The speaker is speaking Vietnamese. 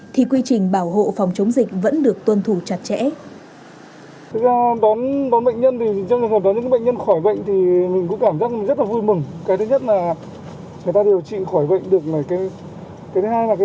thì quy trình bảo hộ phòng chống dịch vẫn được tuân thủ chặt chẽ